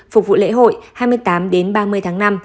phục vụ lễ hội hai mươi tám đến ba mươi tháng năm